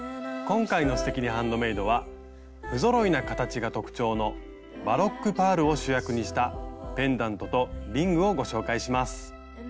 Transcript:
今回の「すてきにハンドメイド」は不ぞろいな形が特徴のバロックパールを主役にしたペンダントとリングをご紹介します。